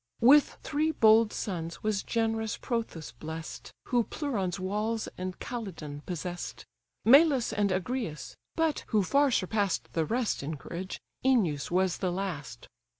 With three bold sons was generous Prothous bless'd, Who Pleuron's walls and Calydon possess'd; Melas and Agrius, but (who far surpass'd The rest in courage) Œneus was the last.